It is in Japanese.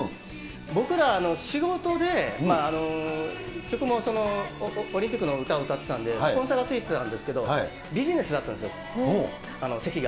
僕ら、仕事で、曲もオリンピックの歌を歌ってたんで、スポンサーがついてたんですけど、ビジネスだったんですよ、席が。